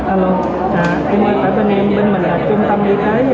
alo bên mình là trung tâm y tế